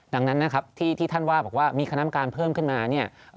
ดังนั้นที่ท่านว่าบอกว่ามีคณะกรรมการเพิ่มขึ้นมา